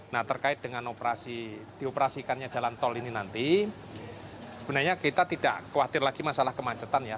nah terkait dengan dioperasikannya jalan tol ini nanti sebenarnya kita tidak khawatir lagi masalah kemacetan ya